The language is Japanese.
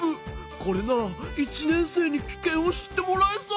これなら１年生に危険を知ってもらえそう！